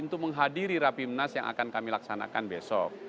untuk menghadiri rapimnas yang akan kami laksanakan besok